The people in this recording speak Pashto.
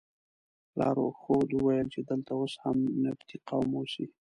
لارښود وویل چې دلته اوس هم نبطي قوم اوسي.